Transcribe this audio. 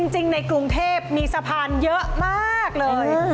ในกรุงเทพมีสะพานเยอะมากเลย